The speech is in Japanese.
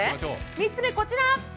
３つめ、こちら。